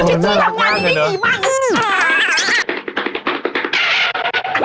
เช็ดถูทำไมได้ดีมาก